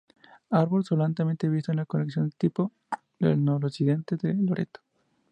Árbol solamente visto de la colección tipo, del noroccidente de Loreto.